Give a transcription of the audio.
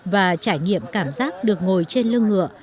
và trải nghiệm cảm giác được ngồi trên lưng ngựa